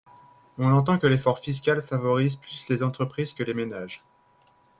On entend que l’effort fiscal favorise plus les entreprises que les ménages.